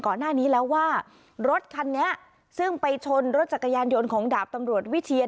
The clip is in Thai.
ก่อนหน้านี้แล้วว่ารถคันนี้ซึ่งไปชนรถจักรยานยนต์ของดาบตำรวจวิเชียน